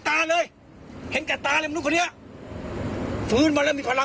แต่ที่แน่แน่ที่สี้สะผัดได้อ่ะ